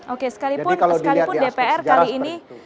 oke sekalipun dpr kali ini